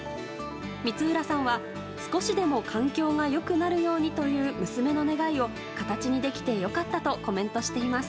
光浦さんは、少しでも環境が良くなるようにという娘の願いを形にできて良かったとコメントしています。